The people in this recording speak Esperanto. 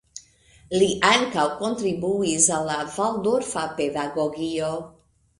Li ankaŭ kontribuis al la Valdorfa pedagogio.